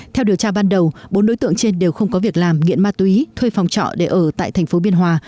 theo điều tra ban đầu bốn đối tượng trên đều không có việc làm nghiện ma túy thuê phòng trọ để ở tại thành phố biên hòa